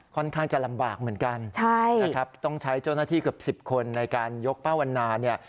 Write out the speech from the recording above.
ค่อนข้างจะลำบากเหมือนกันใช่นะครับต้องใช้เจ้าหน้าที่เกือบสิบคนในการยกป้าวันนาเนี่ย